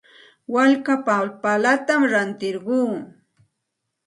Walka papallatam rantirquu.